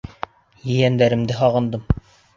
Ейәндәремде һағындым.